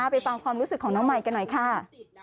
ไปฟังความรู้สึกของน้องใหม่กันหน่อยค่ะ